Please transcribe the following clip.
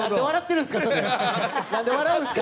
なんで笑うんですか！